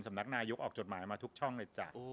สำนักนายกออกจดหมายมาทุกช่องเลยจ้ะ